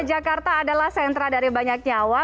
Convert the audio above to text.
jakarta adalah sentra dari banyak nyawa